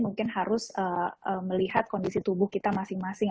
mungkin harus melihat kondisi tubuh kita masing masing